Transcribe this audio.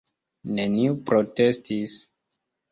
Neniu protestis.